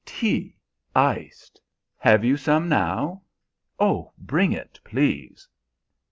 "Tea iced. Have you some now? Oh, bring it, please!"